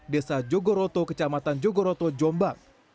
desa jogoroto kecamatan jogoroto jombang